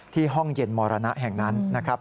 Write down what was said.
ห้องเย็นมรณะแห่งนั้นนะครับ